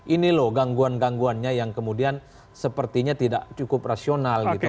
ini loh gangguan gangguannya yang kemudian sepertinya tidak cukup rasional gitu